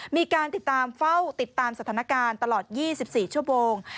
มีการติดตามเฝ้าติดตามสถานการณ์ตลอด๒๔ชั่วโมง